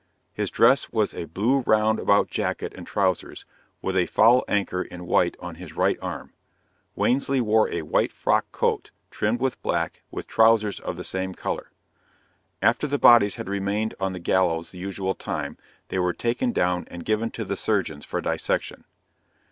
His dress was a blue round about jacket and trousers, with a foul anchor in white on his right arm. Wansley wore a white frock coat, trimmed with black, with trousers of the same color. After the bodies had remained on the gallows the usual time, they were taken down and given to the surgeons for dissection.